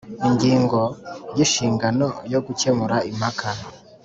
Ingingo ya Inshingano yo gukemura impaka